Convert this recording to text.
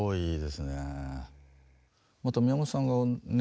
また宮本さんがね